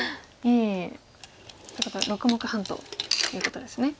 ということは６目半ということですね。